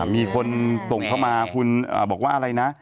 มีคนส่งเข้ามาคุณบอกว่าอะไรนะ